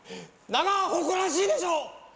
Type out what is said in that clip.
長ほこらしいでしょ！